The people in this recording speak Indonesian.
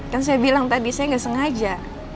kan saya bilang tadi saya nggak sengaja